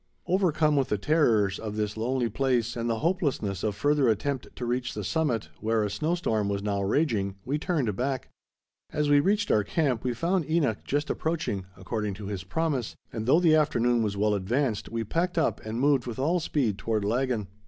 Overcome with the terrors of this lonely place and the hopelessness of further attempt to reach the summit, where a snow storm was now raging, we turned back. As we reached our camp we found Enoch just approaching, according to his promise, and though the afternoon was well advanced, we packed up and moved with all speed toward Laggan.